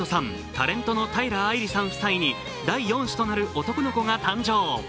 タレントの平愛梨さん夫妻に第４子となる男の子が誕生。